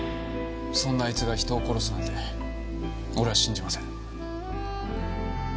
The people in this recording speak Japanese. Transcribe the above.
そんなあいつが人を殺すなんて俺は信じません。